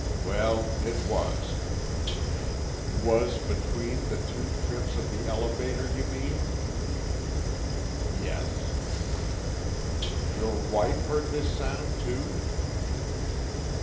"Well, it was." "Was between the two trips of the elevator, you mean?" "Yes." "Your wife heard this sound, too?"